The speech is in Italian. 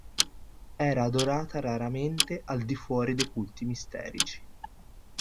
Era adorata raramente al di fuori dei culti misterici.